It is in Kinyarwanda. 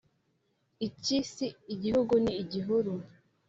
iki si igihugu ni igihuru